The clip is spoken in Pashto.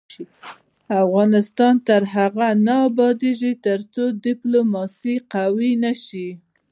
افغانستان تر هغو نه ابادیږي، ترڅو ډیپلوماسي قوي نشي.